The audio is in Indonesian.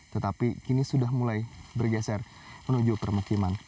tetapi kini sudah mulai bergeser menuju permukiman